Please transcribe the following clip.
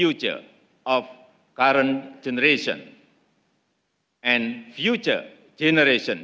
untuk masa depan generasi sekarang dan generasi depan